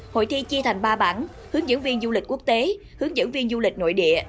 hội thi chia thành ba bảng hướng dẫn viên du lịch quốc tế hướng dẫn viên du lịch nội địa